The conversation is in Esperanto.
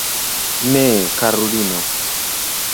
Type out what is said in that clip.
Ne, karulino.